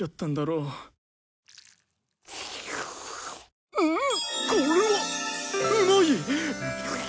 うん。